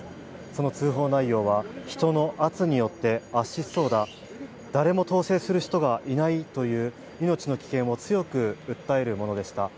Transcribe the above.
その通報内容は、人の圧によって圧死しそうだ、誰も統制する人がいないという命を危険を強く訴えるものでした。